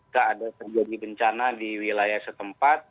ada terjadi bencana di wilayah setempat